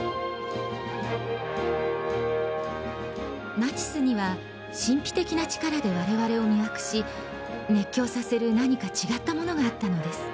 「ナチスには神秘的な力で我々を魅惑し熱狂させる何か違ったものがあったのです。